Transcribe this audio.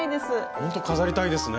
ほんと飾りたいですね！